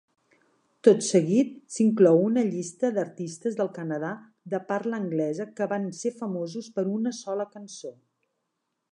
Tot seguit s'inclou una llista d'artistes del Canadà de parla anglesa que van ser famosos per una sola cançó.